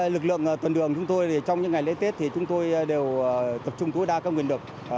lực lượng tuần đường chúng tôi trong những ngày lễ tết thì chúng tôi đều tập trung tối đa các nguyên lực